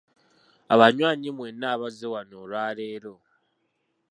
Abanywanyi mwenna abazze wano olwa leero.